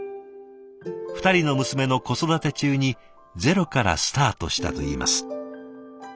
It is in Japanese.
２人の娘の子育て中にゼロからスタートしたといいます。